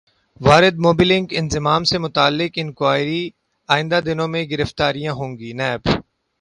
واردموبی لنک انضمام سے متعلق انکوائری ئندہ دنوں میں گرفتاریاں ہوں گی نیب